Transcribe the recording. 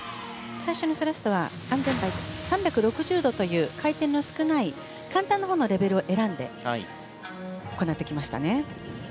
最初のスラストは３６０度という回転の少ない簡単なほうのレベルを選んで行ってきましたね。